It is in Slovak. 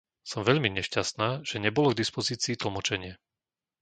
Som veľmi nešťastná, že nebolo k dispozícii tlmočenie.